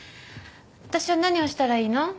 私は何をしたらいいの？